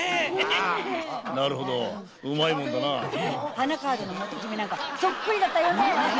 花川戸の元締なんかそっくりだったよね！